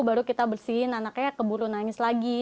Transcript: baru kita bersihin anaknya keburu nangis lagi